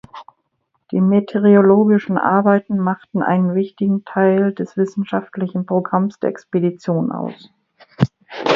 Die meteorologischen Arbeiten machten einen wichtigen Teil des wissenschaftlichen Programms der Expedition aus.